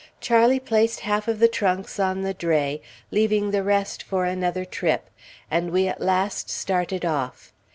Charlie placed half of the trunks on the dray, leaving the rest for another trip; and we at last started off.